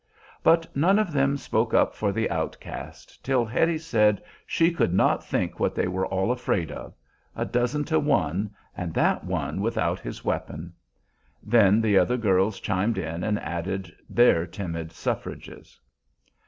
But none of them spoke up for the outcast till Hetty said she could not think what they were all afraid of; a dozen to one, and that one without his weapon! Then the other girls chimed in and added their timid suffrages.